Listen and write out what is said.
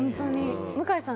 向井さん